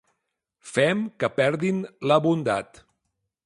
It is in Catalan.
Fem que perdin la bondat.